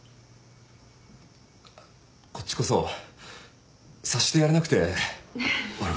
こっちこそ察してやれなくて悪かった。